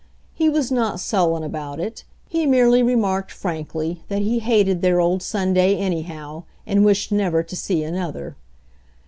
He was not sullen about it. He merely remarked frankly that he hated their old Sunday, anyhow, and wished never to see an other.